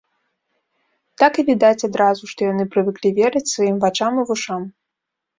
Так і відаць адразу, што яны прывыклі верыць сваім вачам і вушам.